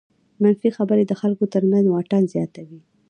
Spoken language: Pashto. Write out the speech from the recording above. منفي خبرې د خلکو تر منځ واټن زیاتوي.